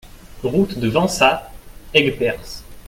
Route de Vensat, Aigueperse